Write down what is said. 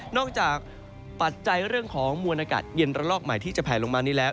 จากปัจจัยเรื่องของมวลอากาศเย็นระลอกใหม่ที่จะแผลลงมานี้แล้ว